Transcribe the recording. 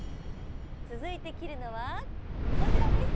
続いて切るのはこちらです。